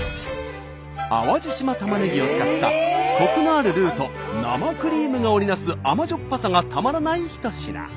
淡路島たまねぎを使ったコクのあるルーと生クリームが織りなす甘じょっぱさがたまらない一品。